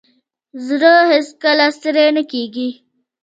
زړه هیڅکله ستړی نه کېږي.